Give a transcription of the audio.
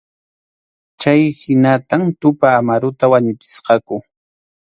Chhaynatam Tupa Amaruta wañuchisqaku.